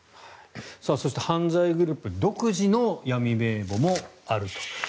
そして犯罪グループ独自の闇名簿もあると。